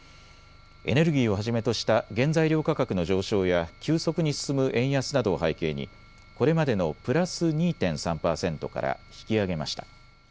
エネルギーをはじめとした原材料価格の上昇や急速に進む円安などを背景にこれまでのプラス２．３％から引き上げました。